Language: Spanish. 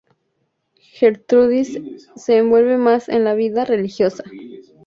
Gertrudis se envuelve más en la vida religiosa.